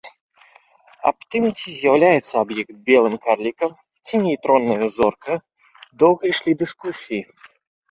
Аб тым, ці з'яўляецца аб'ект белым карлікам ці нейтроннай зоркаю, доўга ішлі дыскусіі.